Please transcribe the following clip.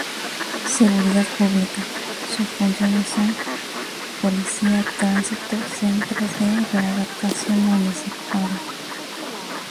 Seguridad Pública.- Sus funciones son: Policía, Tránsito, Centro de Readaptación Municipal.